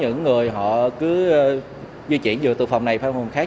những người họ cứ di chuyển vừa từ phòng này qua phòng khác